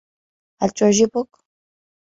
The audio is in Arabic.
هل تعجبك؟